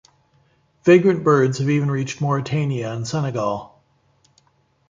Vagrant birds have even reached Mauritania and Senegal.